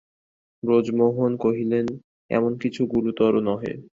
ব্রজমোহন কহিলেন, এমন কিছু গুরুতর নহে।